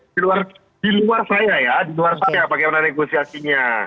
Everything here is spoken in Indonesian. di luar saya ya di luar saya bagaimana negosiasinya